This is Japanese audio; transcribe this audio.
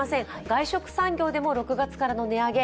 外食産業でも６月からの値上げ